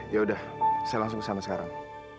yaudah saya langsung ke sana sekarang